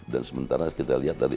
dan sementara kita lihat tadi